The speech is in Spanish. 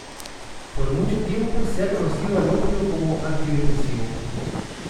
Por mucho tiempo se ha conocido al opio como antidepresivo.